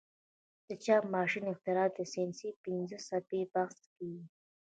د چاپ ماشین اختراع او د ساینس پنځه څپې بحث کیږي.